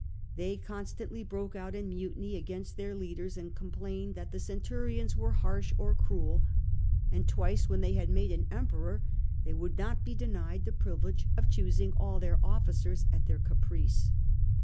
They constantly broke out in mutiny against their leaders, and complained that the centurions were harsh or cruel ; and twice when they had made an Emperor they would not be denied the privilege of choosing all their officers at their caprice.